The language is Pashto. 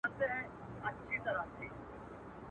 o تر مازي ولاړي، په خرپ نړېدلې ښه ده.